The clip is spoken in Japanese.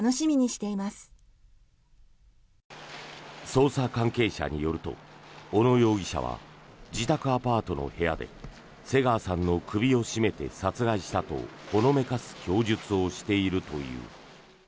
捜査関係者によると小野容疑者は自宅アパートの部屋で瀬川さんの首を絞めて殺害したとほのめかす供述をしているという。